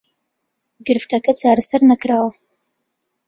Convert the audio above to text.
گرفتەکە چارەسەر نەکراوە